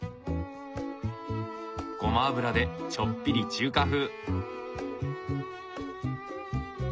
ごま油でちょっぴり中華風。